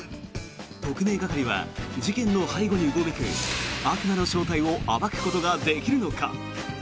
特命係は事件の背後にうごめく悪魔の正体を暴くことができるのか？